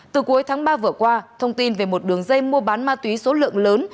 từ cuối tháng ba vừa qua thông tin về một đường dây mua bán ma túy số lượng lớn